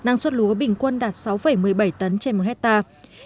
năng suất lúa bình quân đạt sáu một mươi bảy tấn trên một hectare